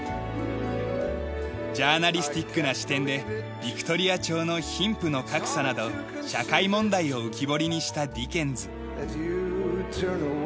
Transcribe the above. ジャーナリスティックな視点でヴィクトリア朝の貧富の格差など社会問題を浮き彫りにしたディケンズ。